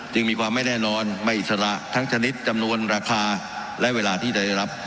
จึงมีความไม่แน่นอนไม่อิสระทั้งชนิดจำนวนราคาและเวลาที่จะได้รับ